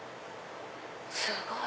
すごい！